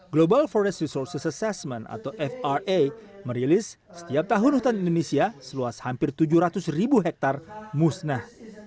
global forest resources assessment atau fra merilis setiap tahun hutan indonesia seluas hampir tujuh ratus ribu hektare musnah